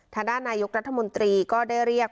ทางด้านนายกรัฐมนตรีก็ได้เรียก